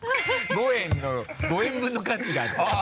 ５円の５円分の価値があった。